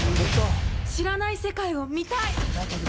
知らない世界を見たい。